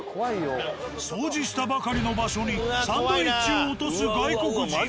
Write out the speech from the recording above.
掃除したばかりの場所にサンドイッチを落とす外国人。